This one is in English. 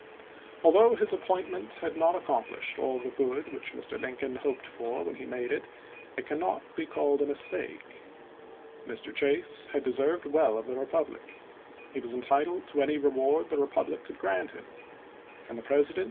Although his ap pointment had not accomplished all the good which Mr. Lincoln hoped for when he made it, it cannot be called a mistake. Mr. Chase had deserved well of the republic. He was entitled to any reward the republic could grant him ; and the President, in Vol. IX.